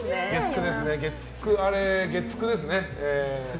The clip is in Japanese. あれ、月９ですね。